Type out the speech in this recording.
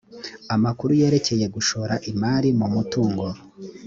amakuru yerekeye gushora imari mu mutungo